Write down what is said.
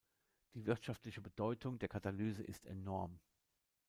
Die wirtschaftliche Bedeutung der Katalyse ist enorm.